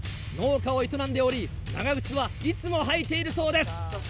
農家を営んでおり長靴はいつも履いているそうです。